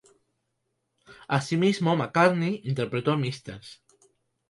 Asimismo, McCartney interpretó Mrs.